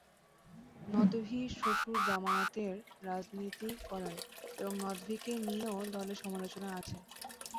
নদভীর শ্বশুর জামায়াতের রাজনীতি করেন এবং নদভীকে নিয়েও দলে সমালোচনা আছে।